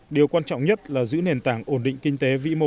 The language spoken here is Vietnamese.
điều quan trọng nhất là giữ nền tảng ổn định kinh tế vĩ mô